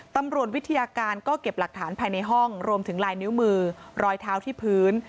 ตำรวจวิทยาการก็เก็บหลักฐานภายในห้องรวมถึงลายนิ้วมือรอยเท้าที่พื้น